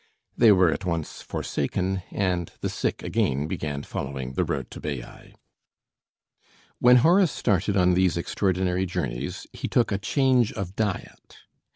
They were at once forsaken, and the sick again began following the road to Baiæ. When Horace started on these extraordinary journeys, he took a change of diet.